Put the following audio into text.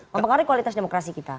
mempengaruhi kualitas demokrasi kita